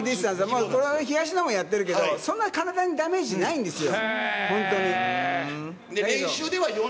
もう、東野もやってるけど、そんなに体にダメージないんですよ。